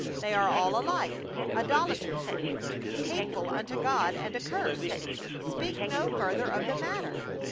"They are all alike idolaters, hateful unto God and accursed. Speak no further of the matter.